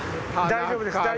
大丈夫です！